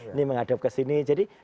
ini menghadap kesini